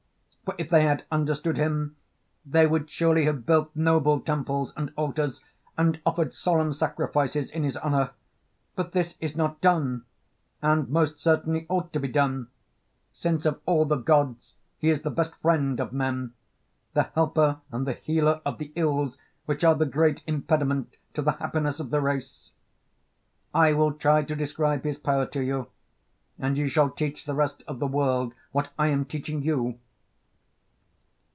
For if they had understood him they would surely have built noble temples and altars, and offered solemn sacrifices in his honour; but this is not done, and most certainly ought to be done: since of all the gods he is the best friend of men, the helper and the healer of the ills which are the great impediment to the happiness of the race. I will try to describe his power to you, and you shall teach the rest of the world what I am teaching you.